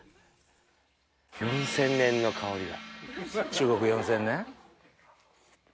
中国４０００年？